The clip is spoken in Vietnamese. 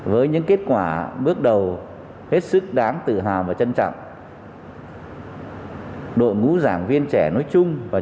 với những kết quả bước đầu hết sức đáng tự hào và trân trọng đội ngũ giảng viên trẻ nói chung